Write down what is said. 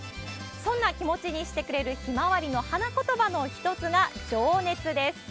そんな気持ちにしてくれるヒマワリの花言葉の一つが、情熱です。